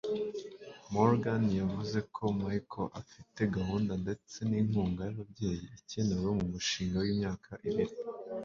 Morgan yavuze ko Michael afite gahunda ndetse n'inkunga y'ababyeyi ikenewe mu mushinga w'imyaka ibiri